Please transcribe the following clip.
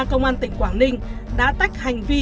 công an tỉnh quảng ninh đã tách hành vi